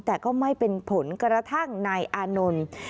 แต่ก็ไม่เป็นผลกระทั่งนายอานนท์